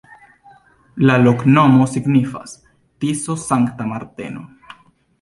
La loknomo signifas: Tiso-Sankta Marteno.